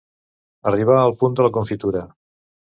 Arribar al punt de la confitura.